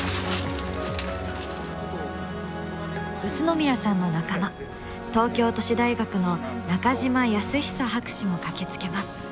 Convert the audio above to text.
宇都宮さんの仲間東京都市大学の中島保寿博士も駆けつけます。